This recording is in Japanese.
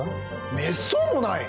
めっそうもない！